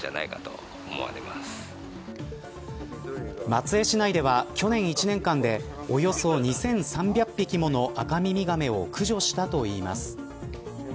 松江市内では、去年１年間でおよそ２３００匹ものアカミミガメを駆除したといいます。